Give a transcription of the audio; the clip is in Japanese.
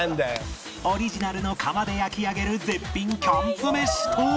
オリジナルの窯で焼き上げる絶品キャンプ飯とは？